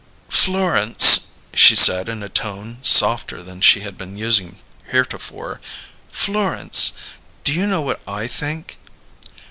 "Florence," she said, in a tone softer than she had been using heretofore; "Florence, do you know what I think?"